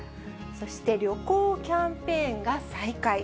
そして旅行キャンペーンが再開。